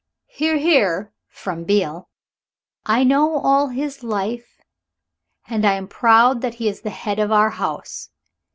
("Hear, hear" from Beale.) "I know all his life, and I am proud that he is the head of our house.